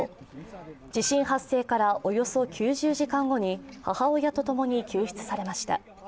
地震発生からおよそ９０時間後に母親とともに救出されました。